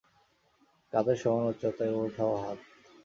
কাধের সমান উচ্চতায় উঠাও হাত।